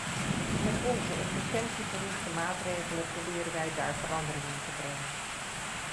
Met onze op preventie gerichte maatregelen proberen wij daar verandering in te brengen.